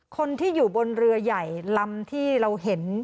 คนที่อยู่บนเรือใหญ่ลำที่เราเห็น